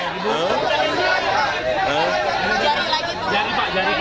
jari pak jari pak